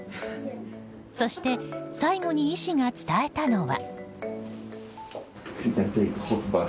そして最後に医師が伝えたのは。